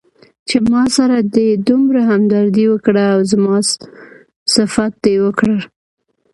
چې ماسره دې دومره همدردي وکړه او زما صفت دې وکړ.